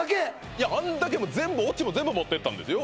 いやあんだけ全部オチも全部持ってったんですよ